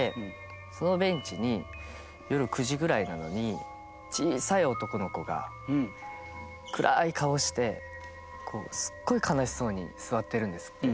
そのベンチに夜９時ぐらいなのに小さい男の子が暗い顔してすっごい悲しそうに座ってるんですって。